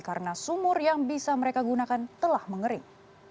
karena sumur yang bisa mereka gunakan telah mengering